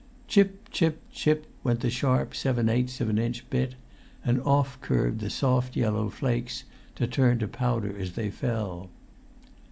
Chip, chip, chip went the sharp seven eighths of an inch bit; and off curved the soft yellow flakes, to turn to powder as they fell.